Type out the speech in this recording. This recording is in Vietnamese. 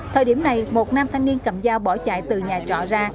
thời điểm này một nam thanh niên cầm dao bỏ chạy từ nhà trọ ra